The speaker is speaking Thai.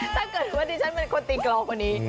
ถ้าเกิดว่าดิฉันเป็นคนตีกรองกว่านี้